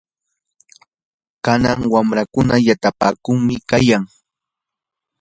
kanan wamrakuna yatapakuqmi kayan.